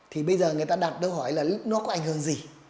thì bây giờ người ta đặt câu hỏi là nó có ảnh hưởng gì